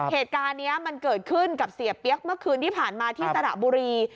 เหตุการณ์นี้มันเกิดขึ้นกับเสียเปี๊ยกเมื่อคืนที่ผ่านมาที่สระบุรี